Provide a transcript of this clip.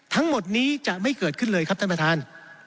ทั้งหมดนี้จะไม่เกิดขึ้นเลยครับท่านประธาน